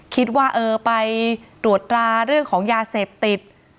คิดว่าเออไปตรวจตราเรื่องของยาเสพติด